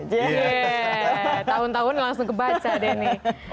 tahun tahun langsung kebaca deh nih